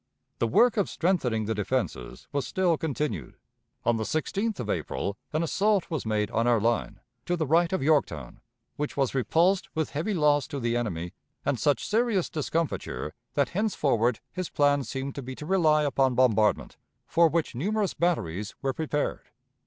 The work of strengthening the defenses was still continued. On the 16th of April an assault was made on our line, to the right of Yorktown, which was repulsed with heavy loss to the enemy, and such serious discomfiture that henceforward his plan seemed to be to rely upon bombardment, for which numerous batteries were prepared.